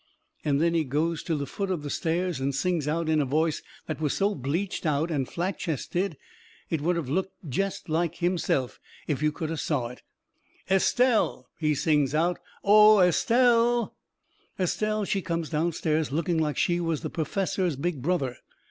And then he goes to the foot of the stairs and sings out in a voice that was so bleached out and flat chested it would of looked jest like him himself if you could of saw it "Estelle," he sings out, "oh, Estelle!" Estelle, she come down stairs looking like she was the perfessor's big brother.